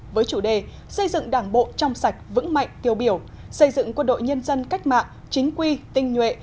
với chủ đề xây dựng đảng bộ trong sạch vững mạnh tiêu biểu xây dựng quân đội nhân dân cách mạng chính quy tinh nhuệ